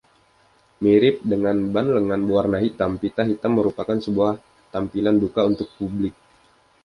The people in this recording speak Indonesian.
Mirip dengan ban lengan berwarna hitam, pita hitam merupakan sebuah tampilan duka untuk publik.